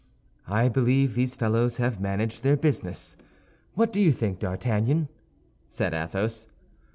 "I believe these fellows have managed their business. What do you think, D'Artagnan?" said Athos.